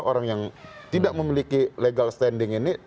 orang yang tidak memiliki legal standing ini